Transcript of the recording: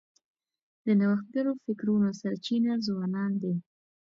د نوښتګرو فکرونو سرچینه ځوانان دي.